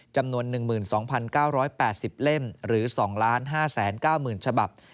จำนวน๑๒๙๘๐เล่มหรือ๒๕๙๐๐๐ฉบับ